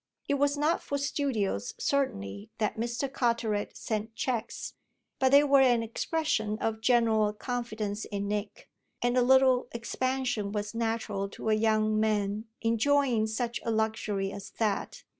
It was not for studios certainly that Mr. Carteret sent cheques; but they were an expression of general confidence in Nick, and a little expansion was natural to a young man enjoying such a luxury as that.